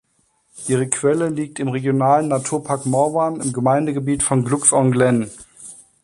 Ihre Quelle liegt im Regionalen Naturpark Morvan, im Gemeindegebiet von Glux-en-Glenne.